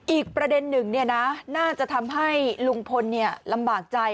อีกประเด็นหนึ่งน่าจะทำให้ลุงพลลำบากใจ